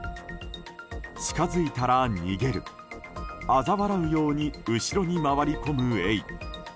近づいたら逃げるあざ笑うように後ろに回り込むエイ。